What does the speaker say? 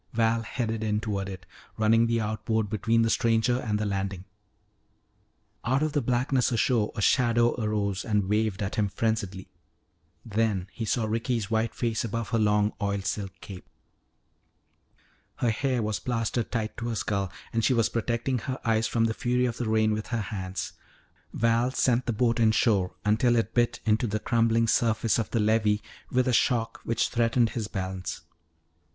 Val headed in toward it, running the outboard between the stranger and the landing. Out of the blackness ashore a shadow arose and waved at him frenziedly. Then he saw Ricky's white face above her long oil silk cape. Her hair was plastered tight to her skull and she was protecting her eyes from the fury of the rain with her hands. Val sent the boat inshore until it bit into the crumbling surface of the levee with a shock which threatened his balance.